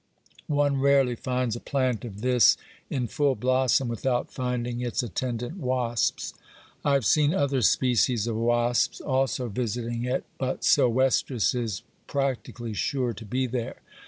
One rarely finds a plant of this in full blossom without finding its attendant wasps. I have seen other species of wasps also visiting it, but sylvestris is practically sure to be there.